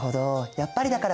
やっぱりだから